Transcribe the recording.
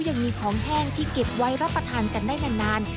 ยังมีของแห้งที่เก็บไว้รับประทานกันได้นาน